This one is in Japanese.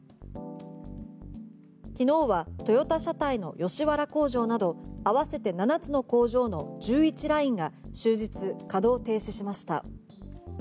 昨日はトヨタ車体の吉原工場など合わせて７つの工場の１１ラインが終日稼働停止しました。